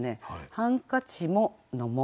「ハンカチも」の「も」